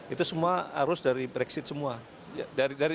itu semua harus dari brexit semua